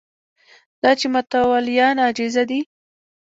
دا چې متولیان عاجزه دي